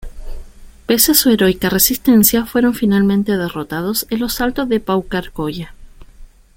Pese a su heroica resistencia, fueron finalmente derrotados en los Altos de Paucarcolla.